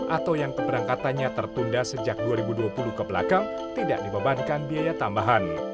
atau yang keberangkatannya tertunda sejak dua ribu dua puluh kebelakang tidak dibebankan biaya tambahan